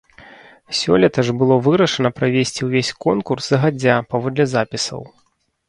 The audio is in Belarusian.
Сёлета ж было вырашана правесці ўвесь конкурс загадзя паводле запісаў.